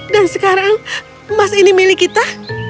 dan sekarang emas ini milik kita